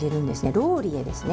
ローリエですね。